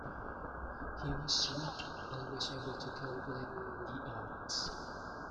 He was shrewd, always able to calculate the odds.